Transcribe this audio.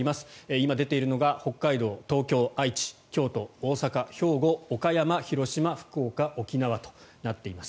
今出ているのが北海道、東京、愛知京都、大阪、兵庫岡山、広島、福岡、沖縄となっています。